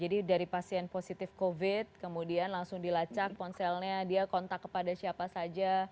jadi dari pasien positif covid kemudian langsung dilacak ponselnya dia kontak kepada siapa saja